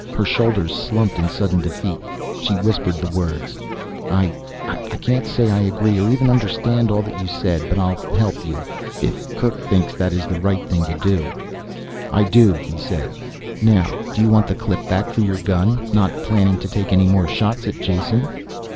Her shoulders slumped in sudden defeat. She whispered the words. "I ... can't say I agree, or even understand all that you said. But I'll help you. If Kerk thinks that it is the right thing." "I do," he said. "Now, do you want the clip back for your gun? Not planning to take any more shots at Jason?"